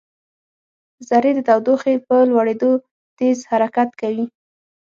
ذرې د تودوخې په لوړېدو تېز حرکت کوي.